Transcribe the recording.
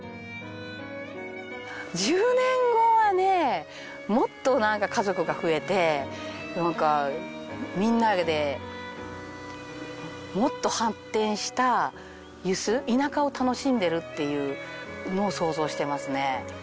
１０年後はねもっとなんか家族が増えてなんかみんなでもっと発展した遊子田舎を楽しんでるっていうのを想像してますね。